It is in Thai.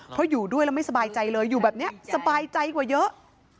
เพราะอยู่ด้วยแล้วไม่สบายใจเลยอยู่แบบนี้สบายใจกว่าเยอะ